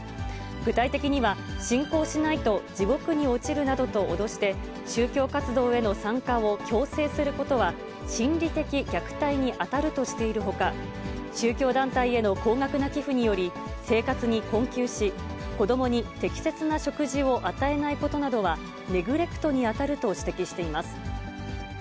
具体的には、信仰しないと地獄に落ちるなどと脅して、宗教活動への参加を強制することは心理的虐待に当たるとしているほか、宗教団体への高額な寄付により、生活に困窮し、子どもに適切な食事を与えないことなどは、ネグレクトに当たると指摘しています。